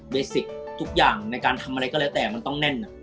สิกทุกอย่างในการทำอะไรก็แล้วแต่มันต้องแน่น